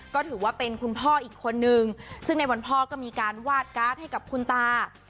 ก็ถือว่าเป็นคุณพ่ออีกคนนึงซึ่งในวันพ่อก็มีการวาดการ์ดให้กับคุณตา